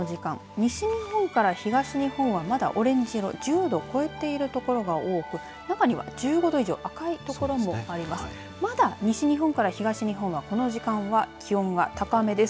西日本から東日本はまだオレンジ色１０度超えている所が多く中には１５度以上赤い所もあります。